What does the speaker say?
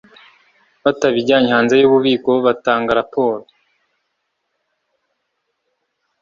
batabijyanye hanze y ubukiko Batanga raporo